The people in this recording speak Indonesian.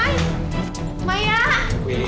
kenapa salte dewi